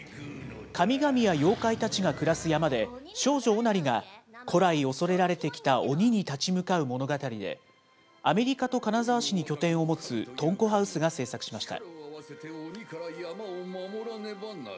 神々や妖怪たちが暮らす山で、少女、おなりが古来恐れられてきたＯＮＩに立ち向かう物語で、アメリカと金沢市に拠点を持つトンコハウスが制作しました。